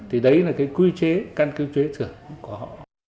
thì đấy là cái quy chế căn cứ chế thưởng của họ